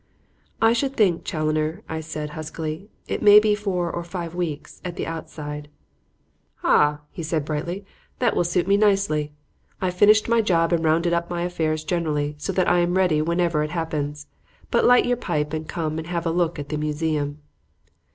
"I should think, Challoner," I said huskily, "it may be four or five weeks at the outside." "Ha!" he said brightly, "that will suit me nicely. I've finished my job and rounded up my affairs generally, so that I am ready whenever it happens. But light your pipe and come and have a look at the museum."